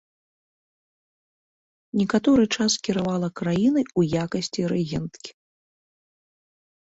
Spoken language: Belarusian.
Некаторы час кіравала краінай у якасці рэгенткі.